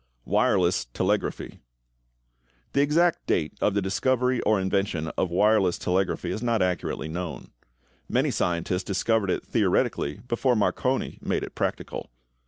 =Wireless Telegraphy.= The exact date of the discovery or invention of wireless telegraphy is not accurately known. Many scientists discovered it theoretically before Marconi made it practical.